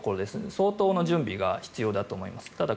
相当の準備が必要だと思います。